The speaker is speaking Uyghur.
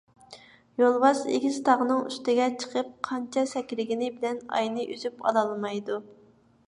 يولۋاس ئېگىز تاغنىڭ ئۈستىگە چىقىپ قانچە سەكرىگىنى بىلەن ئاينى ئۈزۈپ ئالالمايدۇ.